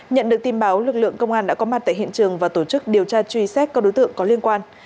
nhận được tin báo lực lượng công an đã có mặt tại hiện trường và tổ chức điều tra truy xét các đối tượng có liên quan